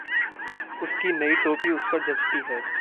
उसकी नई टोपी उसपर जँचती है।